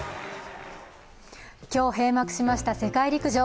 今日閉幕しました世界陸上。